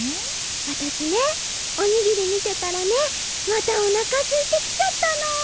私ねおにぎり見てたらねまたおなかすいてきちゃったの。